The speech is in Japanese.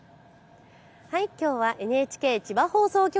きょうはＮＨＫ千葉放送局